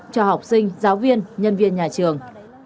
cho học sinh giáo viên nhân viên nhà trường